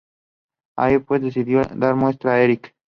Así pues, decidió dar muerte a Erik.